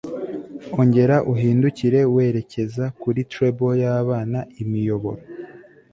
Ongera uhindukire werekeza kuri treble yabana imiyoboro